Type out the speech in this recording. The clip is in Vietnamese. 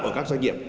ở các doanh nghiệp